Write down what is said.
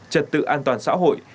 trật tự an toàn xã hội